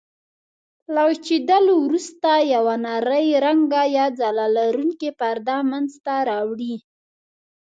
له وچېدلو وروسته یوه نرۍ رنګه یا ځلا لرونکې پرده منځته راوړي.